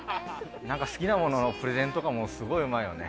なんか好きなもののプレゼンとかもすごいうまいよね。